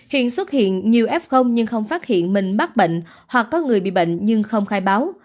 hiện xuất hiện nhiều f nhưng không phát hiện mình mắc bệnh hoặc có người bị bệnh nhưng không khai báo